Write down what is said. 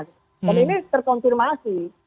dan ini terkonfirmasi